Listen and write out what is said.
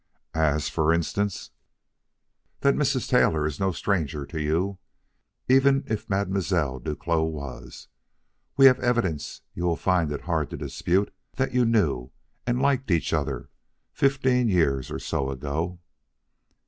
"As, for instance?" "That Mrs. Taylor is no stranger to you, even if Mademoiselle Duclos was. We have evidence you will find it hard to dispute that you knew and liked each other, fifteen years or so ago."